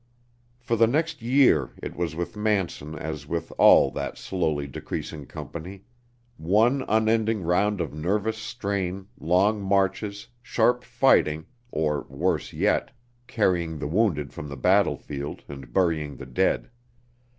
For the next year it was with Manson as with all that slowly decreasing company one unending round of nervous strain, long marches, sharp fighting, or, worse yet carrying the wounded from the battlefield and burying the dead.